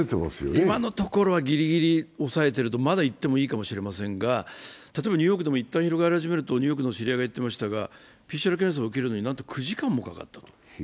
今のところはギリギリ抑えていると言ってもいいかもしれませんが例えばニューヨークでも一旦広がり始めると、ニューヨークの知り合いが言っていましたがＰＣＲ検査を受けるのになんと９時間もかかったと。